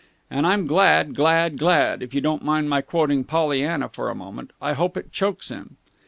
And I'm glad glad glad, if you don't mind my quoting Pollyanna for a moment. I hope it chokes him!"